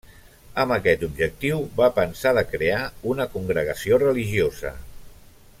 Amb aquest objectiu va pensar de crear una congregació religiosa.